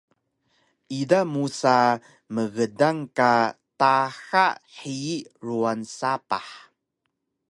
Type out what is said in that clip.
ida musa mgdang ka taxa hiyi ruwan sapah